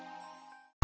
aku sudah tahu